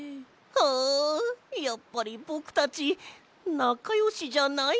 あやっぱりぼくたちなかよしじゃないんじゃない？